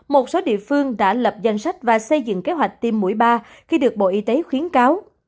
một số địa phương đã lập danh sách và xây dựng kế hoạch tiêm mũi ba khi được bộ y tế khuyến cáo